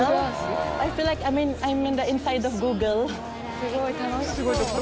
すごい、楽しそう。